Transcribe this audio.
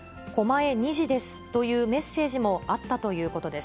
狛江２時ですというメッセージもあったということです。